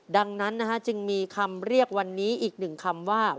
ดังนั้นนะฮะจึงมีคำเรียกวันนี้อีกหนึ่งคำว่า